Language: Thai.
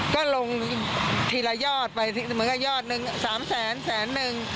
ก็ลงทีละยอดไปมันก็ยอดนึง๓แสน๑แสน๑